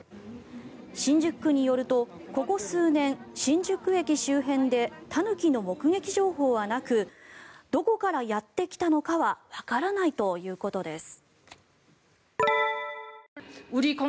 新宿区によるとここ数年、新宿駅周辺でタヌキの目撃情報はなくどこからやってきたのかはわからないということです。